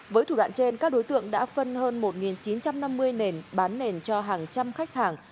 với thủ đoạn trên các đối tượng đã phân hơn một chín trăm năm mươi nền bán nền cho hàng trăm khách hàng